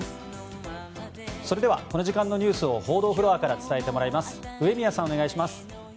それではこの時間のニュースを報道フロアから伝えてもらいます上宮さん、お願いします。